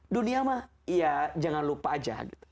dunia mah ya jangan lupa aja gitu